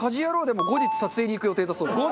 でも後日撮影に行く予定だそうです。